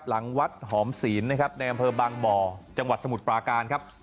หลังวัดหอมศีลนะครับในอำเภอบางบ่อจังหวัดสมุทรปราการครับ